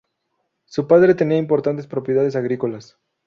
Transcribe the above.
Su padre tenía importantes propiedades agrícolas.